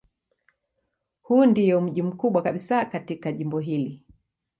Huu ndiyo mji mkubwa kabisa katika jimbo hili.